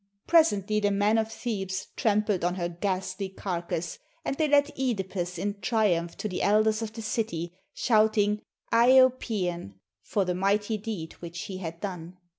Presently the men of Thebes trampled on her ghastly carcass; and they led (Edipus in triumph to the elders of the city, shouting "lo Paean" for the mighty deed which he had done.